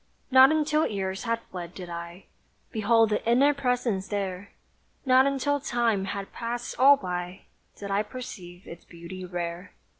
Not until years had fled did I Behold the inner presence there; Not until Time had passed all by, Did I perceive its beauty rare.